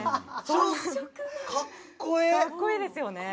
発色がかっこいいですよね